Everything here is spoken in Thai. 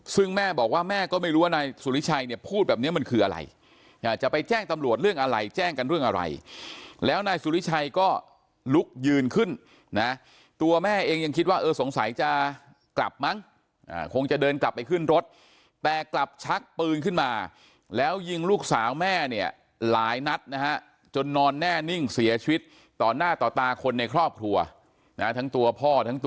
ซึ่งแม่บอกว่าแม่ก็ไม่รู้ว่านายสุริชัยเนี่ยพูดแบบนี้มันคืออะไรจะไปแจ้งตำรวจเรื่องอะไรแจ้งกันเรื่องอะไรแล้วนายสุริชัยก็ลุกยืนขึ้นนะตัวแม่เองยังคิดว่าเออสงสัยจะกลับมั้งคงจะเดินกลับไปขึ้นรถแต่กลับชักปืนขึ้นมาแล้วยิงลูกสาวแม่เนี่ยหลายนัดนะฮะจนนอนแน่นิ่งเสียชีวิตต่อหน้าต่อตาคนในครอบครัวนะทั้งตัวพ่อทั้งตัว